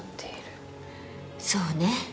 そうね